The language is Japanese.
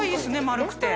丸くて。